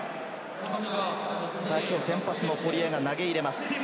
きょう先発の堀江が投げ入れます。